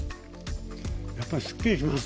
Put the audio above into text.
やっぱりすっきりします。